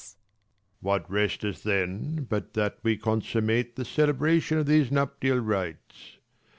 Lelr. What resteth then, but that we consummate The celebration of these nuptial rites